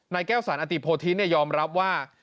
นายแก้วศาลอตีพทิตย์ยอมรับว่า